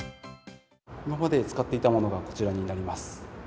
今まで使っていたものがこちらになります。